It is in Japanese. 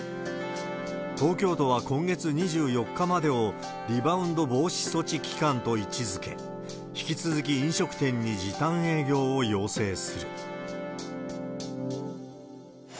東京都は今月２４日までをリバウンド防止措置期間と位置づけ、引き続き飲食店に時短営業を要請する。